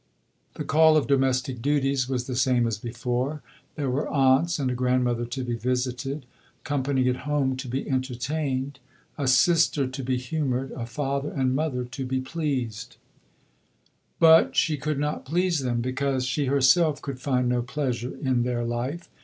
The call of domestic duties was the same as before. There were aunts and a grandmother to be visited, company at home to be entertained, a sister to be humoured, a father and mother to be pleased. But she could not please them, because she herself could find no pleasure in their life.